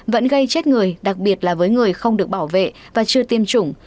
vẫn gây chết người đặc biệt là với người không được bảo vệ và chưa tiêm chủng